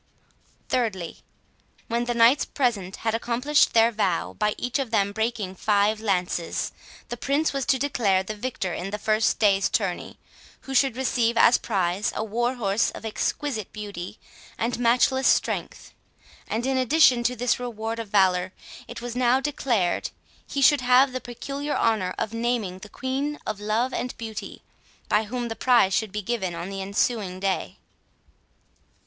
Thirdly, when the knights present had accomplished their vow, by each of them breaking five lances, the Prince was to declare the victor in the first day's tourney, who should receive as prize a warhorse of exquisite beauty and matchless strength; and in addition to this reward of valour, it was now declared, he should have the peculiar honour of naming the Queen of Love and Beauty, by whom the prize should be given on the ensuing day.